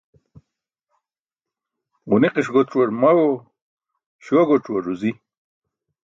Ġuniqi̇ṣ goc̣uwar maẏo, śuwa goc̣uwar ruzi